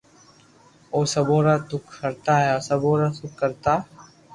او سبو را دک ھرتا ھين سبو را سک ڪرتا